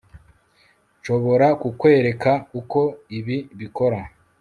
Nshobora kukwereka uko ibi bikora